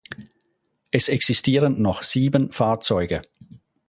Es existieren noch sieben Fahrzeuge.